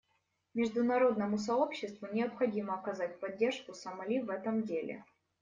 Международному сообществу необходимо оказать поддержку Сомали в этом деле.